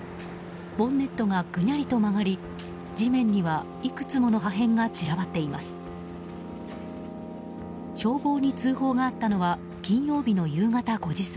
ボンネットがぐにゃりと曲がり地面には、いくつもの破片が散らばっています。